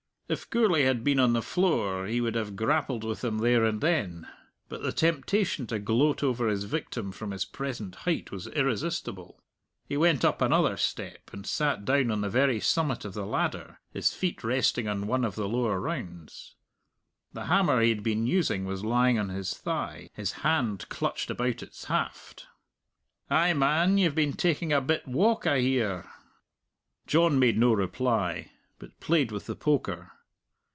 If Gourlay had been on the floor he would have grappled with him there and then. But the temptation to gloat over his victim from his present height was irresistible. He went up another step, and sat down on the very summit of the ladder, his feet resting on one of the lower rounds. The hammer he had been using was lying on his thigh, his hand clutched about its haft. "Ay, man, you've been taking a bit walk, I hear." John made no reply, but played with the poker.